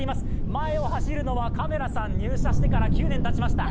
前を走るのはカメラさん、入社してから９年たちました。